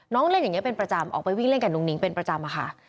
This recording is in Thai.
เล่นอย่างนี้เป็นประจำออกไปวิ่งเล่นกับนุ้งนิ้งเป็นประจำค่ะ